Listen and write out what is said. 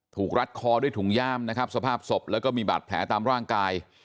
รัดคอด้วยถุงย่ามนะครับสภาพศพแล้วก็มีบาดแผลตามร่างกาย